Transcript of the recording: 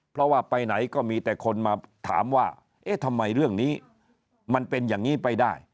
เพราะว่าไปไหนก็มีแต่คนมาถามว่าเอ๊ะทำไมเรื่องนี้มันเป็นอย่างนี้ไปได้